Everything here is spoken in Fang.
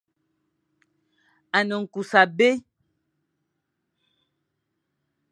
A ne nkus abé.